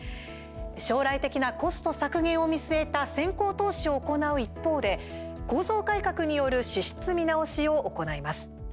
将来的なコスト削減を見据えた先行投資を行う一方で構造改革による支出見直しを行います。